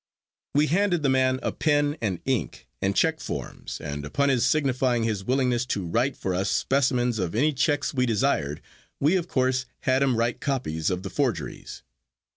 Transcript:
We handed the man pen and ink and check forms, and upon his signifying his willingness to write for us specimens of any checks we desired, we of course had him write copies of the forgeries.